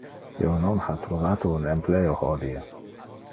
Io non ha trovate un empleo hodie.